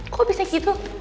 kok bisa gitu